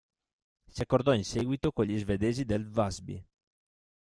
Si accordò in seguito con gli svedesi del Väsby.